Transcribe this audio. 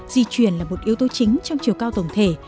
di chuyển là một yếu tố chính trong chiều cao tổng thể